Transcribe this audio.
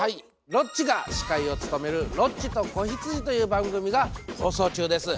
ロッチが司会を務める「ロッチと子羊」という番組が放送中です。